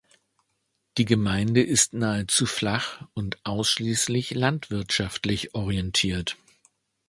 Die Gemeinde ist nahezu flach und ausschließlich landwirtschaftlich orientiert.